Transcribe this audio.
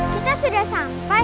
kita sudah sampai